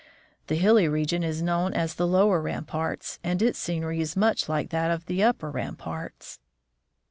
The hilly region is known as the Lower Ramparts, and its scenery is much like that of the Upper Ramparts.